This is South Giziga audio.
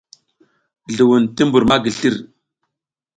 Zluwun ti mbur ma slir.